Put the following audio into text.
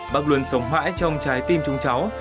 bắc luôn sống mãi trong trái tim chúng cháu